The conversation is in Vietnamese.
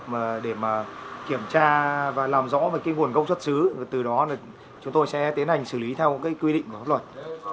cơ quan chức năng đang phối hợp để kiểm tra và làm rõ nguồn gốc xuất xứ từ đó chúng tôi sẽ tiến hành xử lý theo quy định của luật